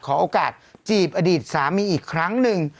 ขอโอกาสจีบอดีตสามีอีกครั้งหนึ่ง